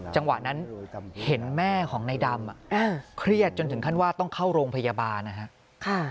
จังหวะนั้นเห็นแม่ของในดำเครียดจนถึงขั้นว่าต้องเข้าโรงพยาบาลนะครับ